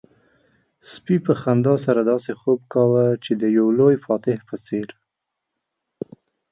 سپي په خندا سره داسې خوب کاوه چې د يو لوی فاتح په څېر.